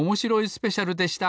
スペシャル」でした！